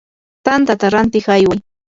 tanta rantiq ayway.